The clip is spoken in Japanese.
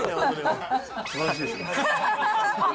すばらしいですね。